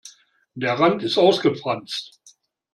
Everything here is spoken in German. Der Rand ist ausgefranst.